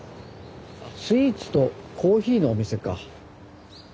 スイーツとコーヒーのお店か。